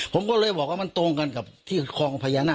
ผมเลยว่ามันตรงกันกับที่คลองภัยญะ